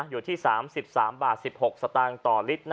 อยู่ที่๓๓๑๖บาทต่อลิตร